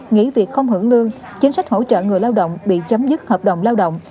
nghỉ việc không hưởng lương chính sách hỗ trợ người lao động bị chấm dứt hợp đồng lao động